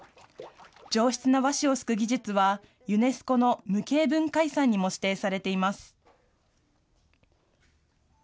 上質な和紙をすく技術は、ユネスコの無形文化遺産にも指定されています。